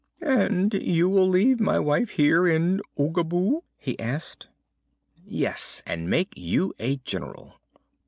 "And you will leave my wife here in Oogaboo?" he asked. "Yes; and make you a General."